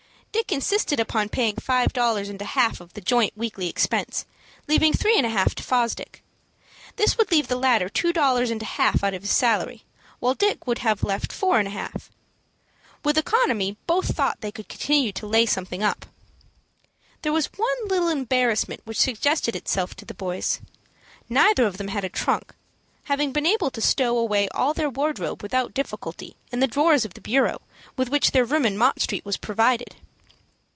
Dick insisted upon paying five dollars and a half of the joint weekly expense, leaving three and a half to Fosdick. This would leave the latter two dollars and a half out of his salary, while Dick would have left four and a half. With economy, both thought they could continue to lay up something. There was one little embarrassment which suggested itself to the boys. Neither of them had a trunk, having been able to stow away all their wardrobe without difficulty in the drawers of the bureau with which their room in Mott Street was provided.